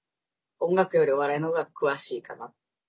音楽よりお笑いの方が詳しいかな。